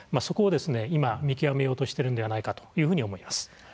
そこを今見極めようとしてるんではないかというふうに思います。